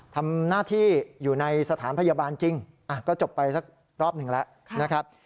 ทำหน้าที่อยู่ในสถานพยาบาลจริงก็จบไปสักรอบหนึ่งแล้วนะครับ